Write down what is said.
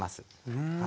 うん。